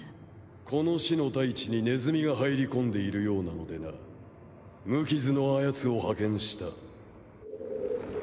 この死の大地にネズミが入り込んでいるようなのでな無傷のあやつを派遣した。